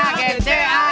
kami agen cae